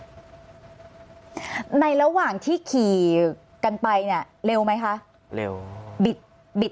ในระหว่างที่ขี่กันไปเนี่ยเร็วไหมคะเร็วบิดบิด